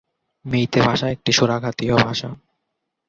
মৈতৈ ভাষা একটি সুরাঘাতীয় ভাষা।